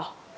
rất là đẹp